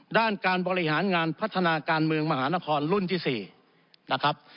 ด้านการบริหารงานพัฒนาการเมืองมหานครรุ่นที่๔นะครับ